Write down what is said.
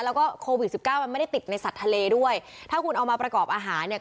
แล้วก็โควิดสิบเก้ามันไม่ได้ติดในสัตว์ทะเลด้วยถ้าคุณเอามาประกอบอาหารเนี่ย